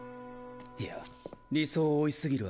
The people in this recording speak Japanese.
いや理想を追いすぎる